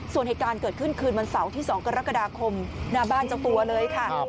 ส่วนเหตุการณ์เกิดขึ้นคืนวันเสาร์ที่๒กรกฎาคมหน้าบ้านเจ้าตัวเลยค่ะ